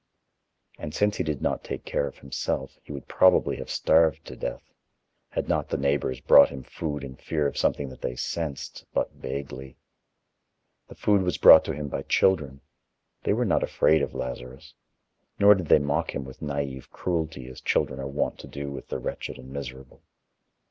And since he did not take care of himself, he would probably have starved to death, had not the neighbors brought him food in fear of something that they sensed but vaguely. The food was brought to him by children; they were not afraid of Lazarus, nor did they mock him with naive cruelty, as children are wont to do with the wretched and miserable.